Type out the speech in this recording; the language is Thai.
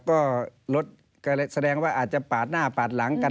ก็รถก็แสดงว่าอาจจะปาดหน้าปาดหลังกัน